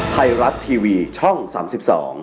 โปรดติดตามตอนต่อไป